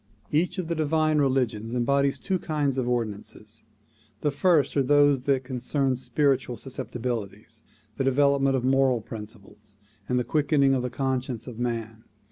Each of the divine religions embodies two kinds of ordinances. The first are those which concern spiritual susceptibilities, the devel opment of moral principles and the quickening of the conscience of man.